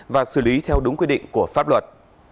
và xử lý theo đúng quy định của pháp luật